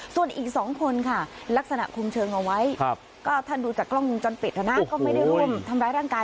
ส่วนอีก๒คนค่ะลักษณะคุมเชิงเอาไว้ก็ถ้าดูจากกล้องวงจรปิดนะนะก็ไม่ได้ร่วมทำร้ายร่างกาย